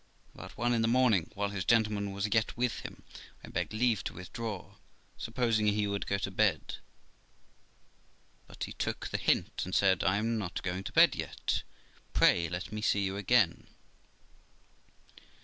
About one in the morning, while his gentleman was yet with him, I begged leave to withdraw, supposing he would go to bed ; but he took the hint, and said, 'I'm not going to bed yet; pray let me see you again.'